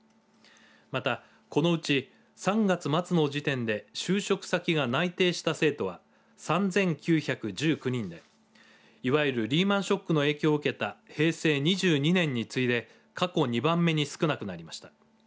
また、このうち３月末の時点で就職先が内定した生徒は３９１９人で、いわゆるリーマンショックの影響を受けた平成２２年に次いで過去２番目に少なくなりました。